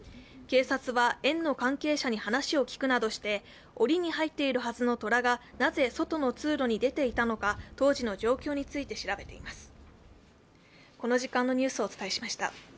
警察は園の関係者の話を聞くなどしておりに入っているはずの虎がなぜ外の通路に出ていたのか、当時の状況について調べています。